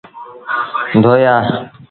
ڌوئي آ۔